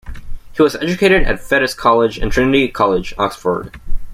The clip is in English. He was educated at Fettes College and Trinity College, Oxford.